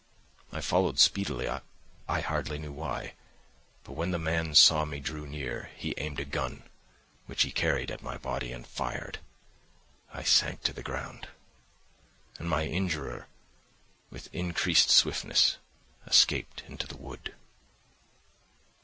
I followed speedily, I hardly knew why; but when the man saw me draw near, he aimed a gun, which he carried, at my body and fired. I sank to the ground, and my injurer, with increased swiftness, escaped into the wood.